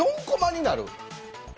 ４こまになる。